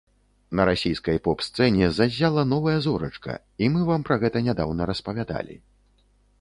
На расійскай поп-сцэне заззяла новая зорачка, і мы вам пра гэта нядаўна распавядалі.